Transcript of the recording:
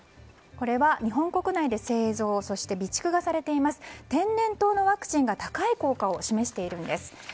これは日本国内で製造そして備蓄がされています天然痘のワクチンが高い効果を示しているんです。